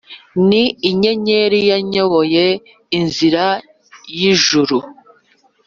ni inyenyeri yayoboye inzira y' ljuru,